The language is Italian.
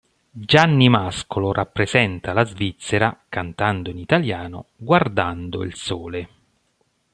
Gianni Mascolo rappresenta la Svizzera, cantando in italiano, "Guardando il sole".